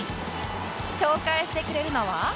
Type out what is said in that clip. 紹介してくれるのは